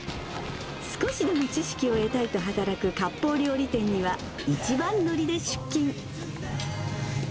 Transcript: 少しでも知識を得たいと働くかっぽう料理店には、一番乗りで出勤。